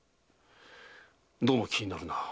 どうも気になるな。